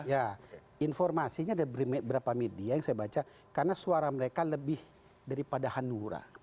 ya informasinya ada beberapa media yang saya baca karena suara mereka lebih daripada hanura